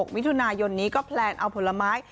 มิถุนายนนี้ก็แพลนเอาผลไม้